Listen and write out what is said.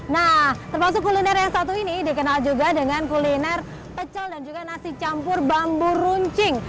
nah termasuk kuliner yang satu ini dikenal juga dengan kuliner pecel dan juga nasi campur bambu runcing